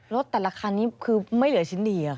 รถแต่ละคันนี้คือไม่เหลือชิ้นดีอ่ะค่ะ